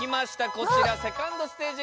こちらセカンドステージ